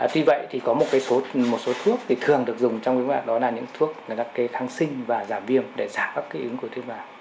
tuy vậy thì có một số thuốc thường được dùng trong bệnh viêm kết mạc đó là những thuốc đặc kê thăng sinh và giảm viêm để giảm bất kỳ ứng của thiết bản